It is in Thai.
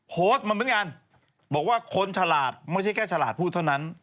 โพสต์มาเหมือนกันบอกว่าคนฉลาดไม่ใช่แค่ฉลาดพูดเท่านั้น